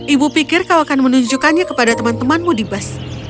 ibu pikir kau akan menunjukkannya kepada teman temanmu di bus